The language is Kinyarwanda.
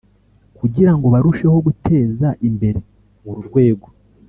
kugira ngo barusheho guteza imbere uru rwego